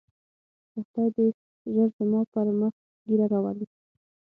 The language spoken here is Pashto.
چې خداى دې ژر زما پر مخ ږيره راولي.